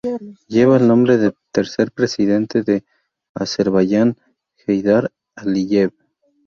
Lleva el nombre del tercer Presidente de Azerbaiyán, Heydar Aliyev.